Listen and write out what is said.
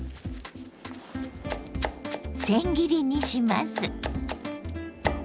せん切りにします。